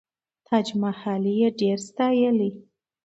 تاج محل یې ډېر ستایلی.